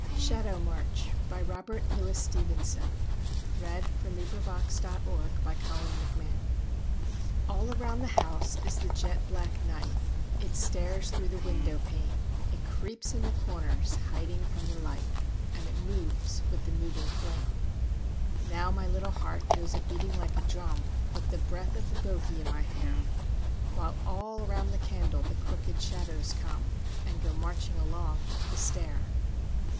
ALL HALLOWEâEN SHADOW MARCH Used by special permission of Charles Scribner and Sons. All around the house is the jet black night, It stares through the window pane, It creeps in the corners hiding from the light And it moves with the moving flame. Now my little heart goes a beating like a drum, With the breath of the bogie in my hair, While all around the candle the crooked shadows come And go marching along up the stair.